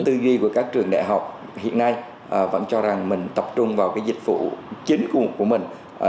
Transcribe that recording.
tư duy của các trường đại học hiện nay vẫn cho rằng mình tập trung vào cái dịch vụ chính của mình